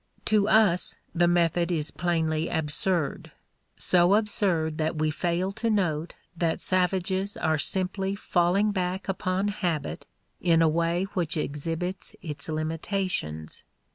To us, the method is plainly absurd so absurd that we fail to note that savages are simply falling back upon habit in a way which exhibits its limitations.